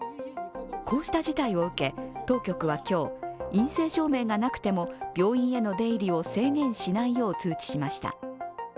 こうした事態を受け、当局は今日、陰性証明がなくても病院への出入りを制限しないよう通知しました。